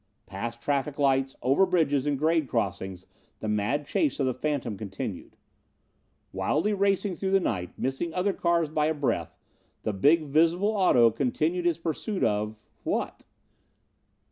Past traffic lights, over bridges and grade crossings the mad chase of the phantom continued. Wildly racing through the night, missing other cars by a breath, the big, visible auto continued its pursuit of what?